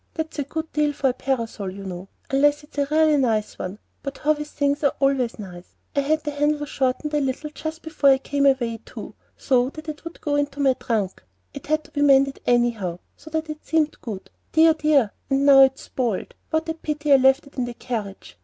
That's a good deal for a parasol, you know, unless it's really a nice one; but Hovey's things are always I had the handle shortened a little just before I came away, too, so that it would go into my trunk; it had to be mended anyhow, so that it seemed a good Dear, dear! and now it's spoiled! What a pity I left it in the carriage!